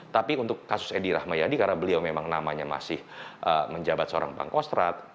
tapi untuk kasus edi rahmayadi karena beliau memang namanya masih menjabat seorang pangkostrat